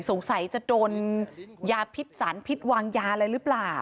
สงสัยจะโดนยาพิษสารพิษวางยาอะไรหรือเปล่า